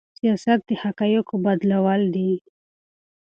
سياست د حقايقو بدلول دي.